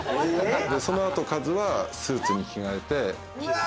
そのあとカズはスーツに着替えて。